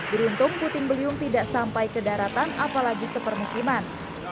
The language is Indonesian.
beruntung puting beliung tidak sampai ke daratan apalagi ke permukiman